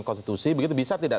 konstitusi begitu bisa tidak